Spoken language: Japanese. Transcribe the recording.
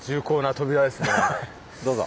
どうぞ。